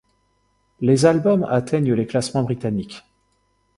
Les albums atteignent les classements britanniques.